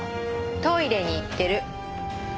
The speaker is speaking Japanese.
トイレに行ってる。